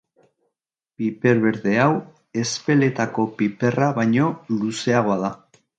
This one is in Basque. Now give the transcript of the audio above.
Piper berde hau Ezpeletako piperra baino luzeagoa da.